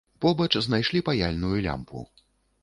Побач знайшлі паяльную лямпу.